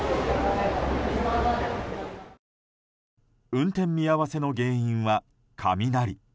運転見合わせの原因は雷。